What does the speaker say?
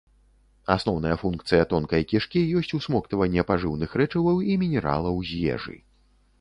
Асноўная функцыя тонкай кішкі ёсць усмоктванне пажыўных рэчываў і мінералаў з ежы.